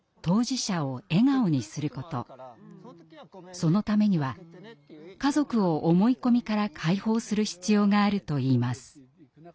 そのためには家族を思い込みから解放する必要があるといいます。